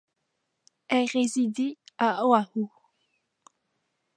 Elle résidait à Oahu.